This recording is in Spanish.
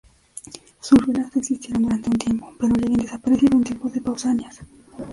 Sus ruinas existieron durante un tiempo, pero ya habían desaparecido en tiempos de Pausanias.